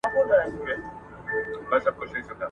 هغه د مسووليت روښانه حدود ټاکلي وو.